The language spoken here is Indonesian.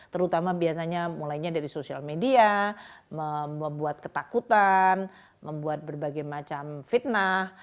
terutama biasanya mulainya dari sosial media membuat ketakutan membuat berbagai macam fitnah